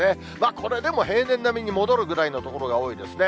これでも平年並みに戻るぐらいの所が多いですね。